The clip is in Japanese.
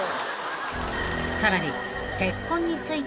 ［さらに］